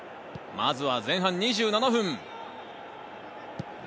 まずは前半２７分。